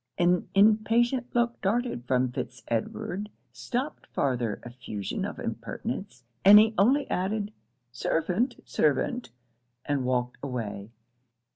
An impatient look, darted from Fitz Edward, stopped farther effusion of impertinence, and he only added 'Servant! servant!' and walked away.